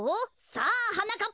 さあはなかっ